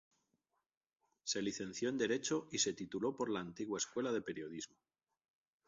Se licenció en Derecho y se tituló por la antigua Escuela de Periodismo.